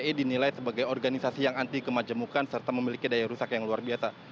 ini dinilai sebagai organisasi yang anti kemajemukan serta memiliki daya rusak yang luar biasa